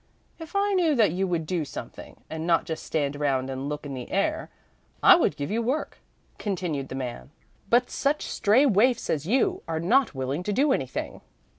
"If I knew that you would do something, and not just stand around and look in the air, I would give you work," continued the man, "but such stray waifs as you are not willing to do anything."